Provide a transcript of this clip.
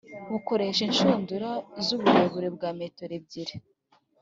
bukoresha inshundura z uburebure bwa metero ebyiri